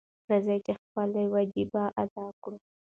راځئ چې خپله وجیبه ادا کړو.